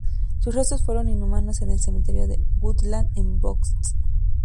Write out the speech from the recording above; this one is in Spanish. Sus restos fueron inhumados en el cementerio de Woodlawn en Bronx.